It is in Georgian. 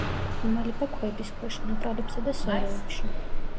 იმალება ქვების ქვეშ, ნაპრალებსა და სოროებში.